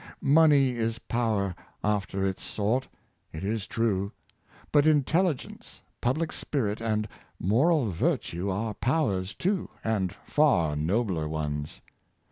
Money is power after its sort, it is true; but intelligence, public spirit, and moral virtue, are powers, too, and far nobler ones.